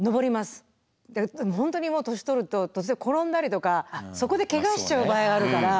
本当にもう年とると途中で転んだりとかそこでけがしちゃう場合あるから。